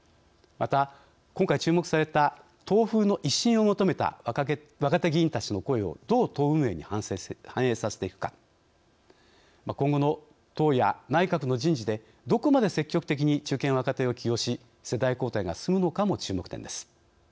また、今回注目された党風の一新を求めた若手議員たちの声をどう党運営に反映させていくか今後の党や内閣の人事でどこまで積極的に中堅若手を起用し世代交代が進むのかも注目点です。